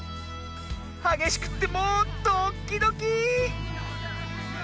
はげしくってもうドッキドキー！